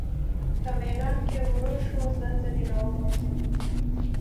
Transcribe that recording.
په مېلان کې ورو شو، زه ځنې را وغورځېدم.